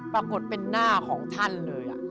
ปรากฏเป็นหน้าของท่านเลย